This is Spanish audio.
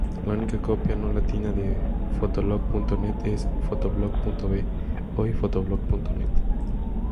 La única copia no latina de Fotolog.net es PhotoBlog.be, hoy PhotoBlog.net.